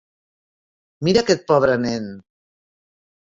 Mira aquest pobre nen!